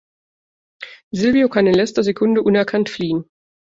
Silvio kann in letzter Sekunde unerkannt fliehen.